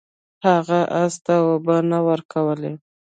هغه اس ته اوبه نه ورکولې.